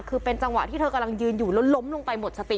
คือเป็นจังหวะที่เธอกำลังยืนอยู่แล้วล้มลงไปหมดสติ